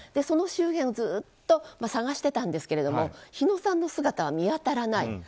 その周辺をずっと探してたんですけど火野さんの姿は見当たらない。